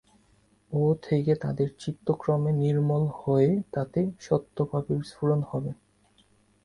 ও থেকে তাদের চিত্ত ক্রমে নির্মল হয়ে তাতে সত্ত্বভাবের স্ফুরণ হবে।